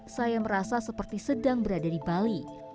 saya merasa seperti sedang berada di bali